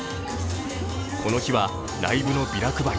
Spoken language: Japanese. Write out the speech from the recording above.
この日は、ライブのビラ配り。